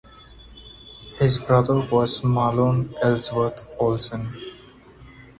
His brother was Mahlon Ellsworth Olsen.